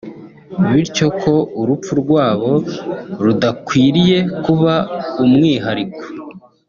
bityo ko urupfu rwabo rudakwiriye kuba umwihariko